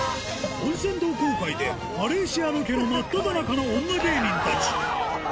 温泉同好会で、マレーシアロケの真っただ中の女芸人たち。